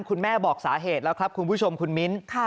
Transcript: คุณแม่บอกสาเหตุแล้วครับคุณผู้ชมคุณมิ้น